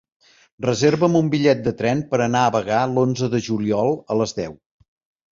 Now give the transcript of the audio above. Reserva'm un bitllet de tren per anar a Bagà l'onze de juliol a les deu.